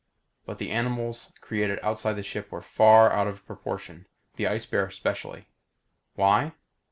But the animals created outside the ship were far out of proportion, the ice bear especially. Why?